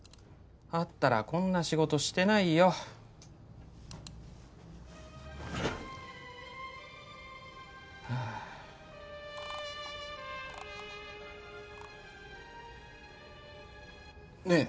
あったらこんな仕事してないよはあねえ